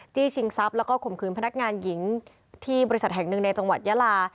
ชิงทรัพย์แล้วก็ข่มขืนพนักงานหญิงที่บริษัทแห่งหนึ่งในจังหวัดยาลา